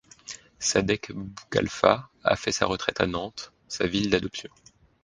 Sadek Boukhalfa a fait sa retraite à Nantes, sa ville d'adoption.